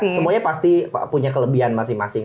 semuanya pasti punya kelebihan masing masing